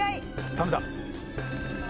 ダメだ。